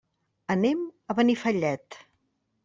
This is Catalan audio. Anem a Benifallet.